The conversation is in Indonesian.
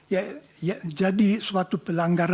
yang jadi suatu perkembangan